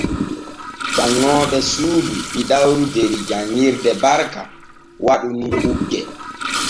Janŋooɓe suudu ɗiɗawru der janŋirde Barka waɗu nun ukke.